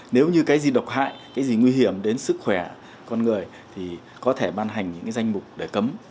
nếu như cái gì độc hại cái gì nguy hiểm đến sức khỏe con người thì có thể ban hành những cái danh mục để cấm